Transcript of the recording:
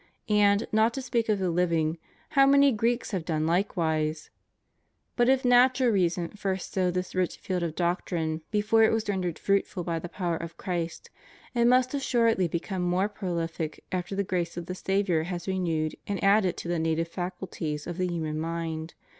And, not to speak of the living, how many Greeks have done Ukewise?'" But if natural reason first sowed this rich field of doctrine before it was rendered fruitful by the power of Christ, it must assuredly become more pro lific after the grace of the Saviour has renewed and added to the native faculties of the human mind.